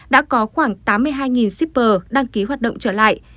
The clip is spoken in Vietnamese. đã có khoảng tám mươi hai shipper đăng ký hoạt động trở lại